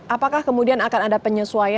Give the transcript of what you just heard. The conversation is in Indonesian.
apakah kemudian akan ada penyesuaian